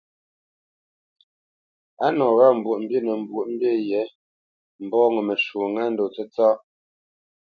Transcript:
A nɔ wâ Mbwoʼmbî nə mbwoʼnə́ mbî yě mbɔ́ ŋo məshwɔ̌ ŋá ndó tsətsâ .